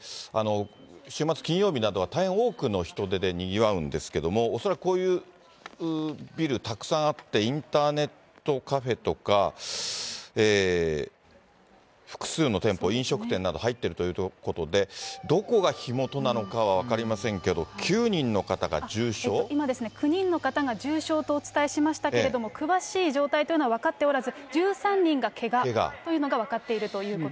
週末、金曜日などは大変多くの人出でにぎわうんですけれども、恐らくこういうビルたくさんあって、インターネットカフェとか、複数の店舗、飲食店など入っているということで、どこが火元なのかは分かりませんけど、今ですね、９人の方が重傷とお伝えしましたけれども、詳しい状態というのは分かっておらず、１３人がけがというのが分